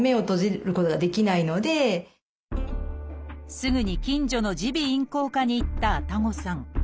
すぐに近所の耳鼻咽喉科に行った愛宕さん。